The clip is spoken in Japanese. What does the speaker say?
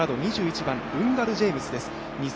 ２１番、ルンガル・ジェームスです。